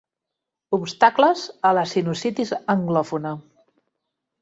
Obstacles a la sinusitis anglòfona.